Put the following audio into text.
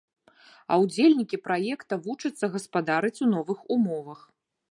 А ўдзельнікі праекта вучацца гаспадарыць у новых умовах.